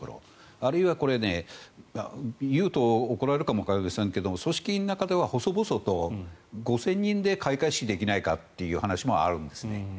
あるいは言うと怒られるかもわかりませんが組織委の中では細々と５０００人で開会式できないかという声もあるんですね。